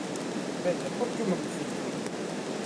Veña, por que non me felicita?